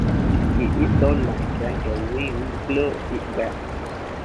It is so light that the wind will blow it back.